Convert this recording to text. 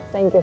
thank you pa